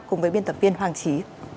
cùng với biên tập viên hoàng trí